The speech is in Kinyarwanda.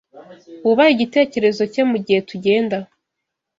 Wubahe igitekerezo cye mugihe tugenda